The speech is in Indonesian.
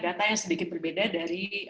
data yang sedikit berbeda dari